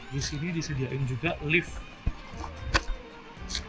di sini disediakan juga lift